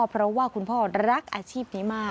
เพราะว่าคุณพ่อรักอาชีพนี้มาก